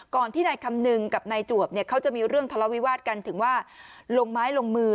ที่นายคำนึงกับนายจวบเนี่ยเขาจะมีเรื่องทะเลาวิวาสกันถึงว่าลงไม้ลงมือ